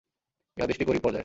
এ হাদীসটি গরীব পর্যায়ের।